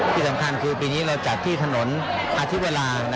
ที่สำคัญคือปีนี้เราจัดที่ถนนอาทิตย์เวลา